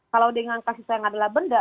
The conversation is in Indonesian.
kalau dengan kasih sayang adalah benda